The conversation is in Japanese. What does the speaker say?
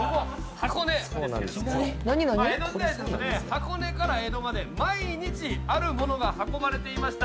箱根から江戸まで毎日あるものが運ばれていました。